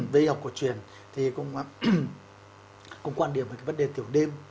về y học cổ truyền thì cũng quan điểm về cái vấn đề tiểu đêm